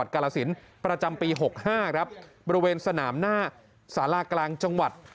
กาลสินประจำปี๖๕ครับบริเวณสนามหน้าสารากลางจังหวัด